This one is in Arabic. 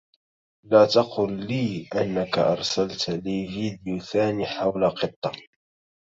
لا تقل لي انك ارسلت لي فيديو ثاني حول قطة.